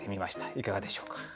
いかがでしょうか？